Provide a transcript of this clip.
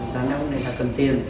đàn ông này là cần tiền